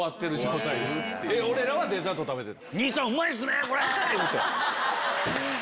俺らはデザート食べてた。